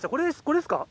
これですか？